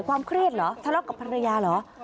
ความเครียดเหรอทะเลาะกับภรรยาเหรอ